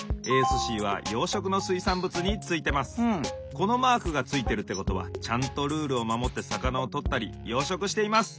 このマークがついているってことはちゃんとルールをまもってさかなをとったり養殖しています！